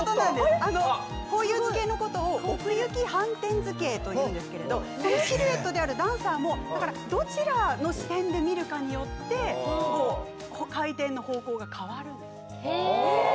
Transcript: こういう図形のことを奥行き反転図形というんですがシルエットであるダンサーもどちらの視点で見るかによって回転の方向が変わると。